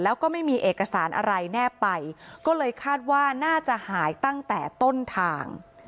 แล้วก็ไม่มีเอกสารอะไรแนบไปก็เลยคาดว่าน่าจะหายตั้งแต่ต้นทาง